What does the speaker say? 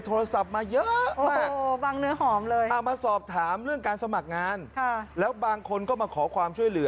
โทรศัพท์มาเยอะมากบางเนื้อหอมเลยเอามาสอบถามเรื่องการสมัครงานแล้วบางคนก็มาขอความช่วยเหลือ